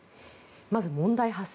まず、問題発生